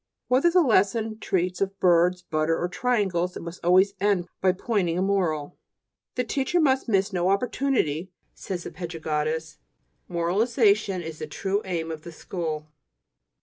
Whether the lesson treats of birds, butter, or triangles, it must always end by pointing a moral. "The teacher must miss no opportunity," says the pedagogist; "moralization is the true aim of the school."